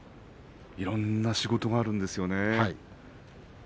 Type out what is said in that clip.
いろんな仕事があるんですよね。